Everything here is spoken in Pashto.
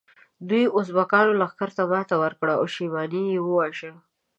دوی ازبکانو لښکر ته ماته ورکړه او شیباني یې وواژه.